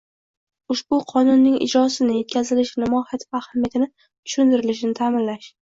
Ushbu Qonunning ijrosini, yetkazilishini, mohiyati va ahamiyati tushuntirilishini ta’minlash